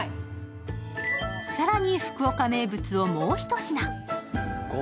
更に福岡名物をもう一品。